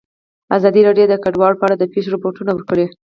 ازادي راډیو د کډوال په اړه د پېښو رپوټونه ورکړي.